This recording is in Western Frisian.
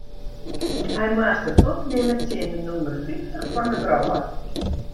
Hy moast it opnimme tsjin de nûmer fyftich fan de wrâld.